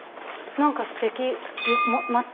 何かすてき。